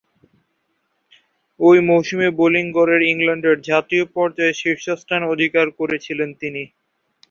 ঐ মৌসুমে বোলিং গড়ে ইংল্যান্ডে জাতীয় পর্যায়ে শীর্ষস্থান অধিকার করেছিলেন তিনি।